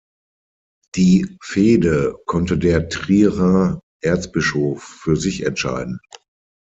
Die Fehde konnte der Trierer Erzbischof für sich entscheiden.